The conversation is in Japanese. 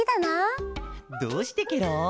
どうしてケロ？